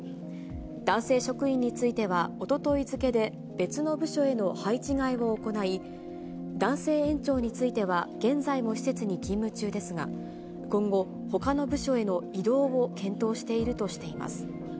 男性職員については、おととい付けで、別の部署への配置換えを行い、男性園長については、現在も施設に勤務中ですが、今後、ほかの部署への異動を検討しているとしています。